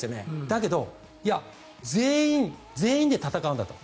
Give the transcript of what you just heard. だけどいや、全員で戦うんだと。